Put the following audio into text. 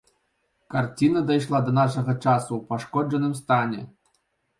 Карціна дайшла да нашага часу ў пашкоджаным стане.